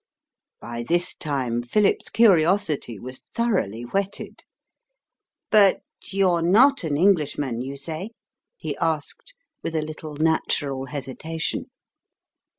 By this time Philip's curiosity was thoroughly whetted. "But you're not an Englishman, you say?" he asked, with a little natural hesitation.